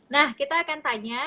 nah kita akan tanya